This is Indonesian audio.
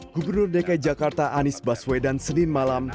gubernur dki jakarta anies baswedan senin malam